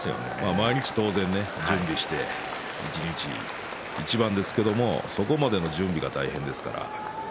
毎日準備して一日一番ですけれどもそこまでの準備が大変ですから。